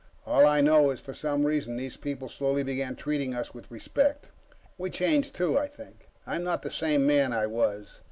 All I know is, for some reason those people slowly began treating us with respect. We changed, too, I think I'm not the same man I was